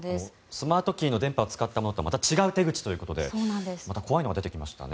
スマートキーの電波を使ったものとはまた違う手口ということでまた怖いのが出てきましたね。